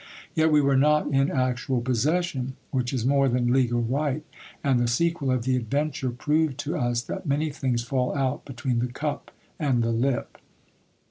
Yet we were not in actual possession, which is more than legal right : and the sequel of the adven ture proved to us, that many things fall out between the cup and the lip.